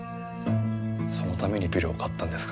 そのためにビルを買ったんですか。